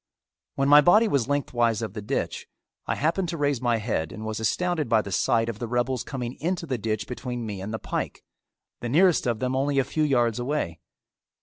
When my body was lengthwise of the ditch I happened to raise my head and was astounded by the sight of the rebels coming into the ditch between me and the pike, the nearest of them only a few yards away.